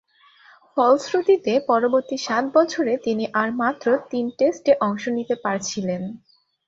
ফলশ্রুতিতে, পরবর্তী সাত বছরে তিনি আর মাত্র তিন টেস্টে অংশ নিতে পেরেছিলেন।